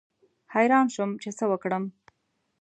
حیران شوم چې څه وکړم.